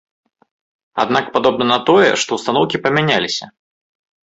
Аднак падобна на тое, што ўстаноўкі памяняліся.